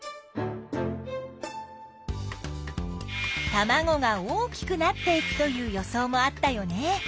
たまごが大きくなっていくという予想もあったよね。